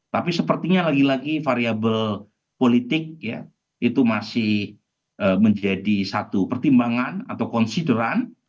tapi sepertinya lagi lagi variabel politik ya itu masih menjadi satu pertimbangan atau konsideran